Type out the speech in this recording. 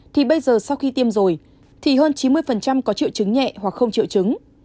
thì bây giờ sau khi tiêm rồi thì hơn chín mươi có triệu chứng nhẹ hoặc không triệu chứng